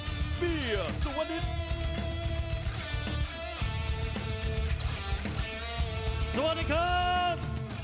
สวัสดีครับทุกคน